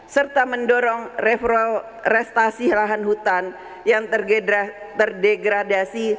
serta mendorong refrostasi lahan hutan yang terdegradasi